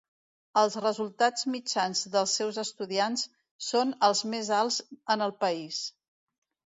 Els resultats mitjans dels seus estudiants són els més alts en el país.